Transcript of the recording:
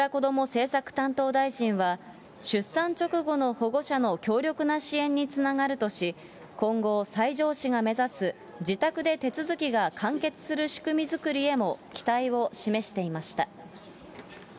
政策担当大臣は、出産直後の保護者の強力な支援につながるとし、今後、西条市が目指す自宅で手続きが完結する仕組みづくりへも期待を示していました。